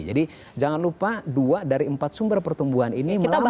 jadi jangan lupa dua dari empat sumber pertumbuhan ini melambat